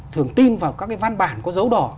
thường tin vào các cái văn bản có dấu đỏ